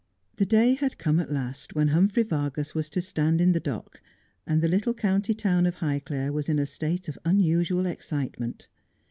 The day had come at last when Humphrey Vargas was to stand in the dock, and the little county town of Highclere was in a state of unusual excitement.